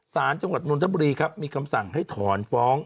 สารจังหวัดนนทบุรีครับมีคำสั่งให้ถอนฟ้อง